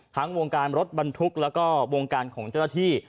วงการรถบรรทุกแล้วก็วงการของเจ้าหน้าที่